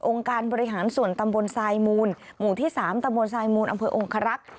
การบริหารส่วนตำบลทรายมูลหมู่ที่๓ตำบลทรายมูลอำเภอองครักษ์